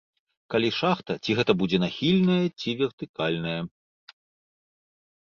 Калі шахта, ці гэта будзе нахільная, ці вертыкальная.